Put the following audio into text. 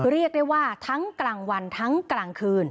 เรียกได้ว่าทั้งกลางวันทั้งกลางคืน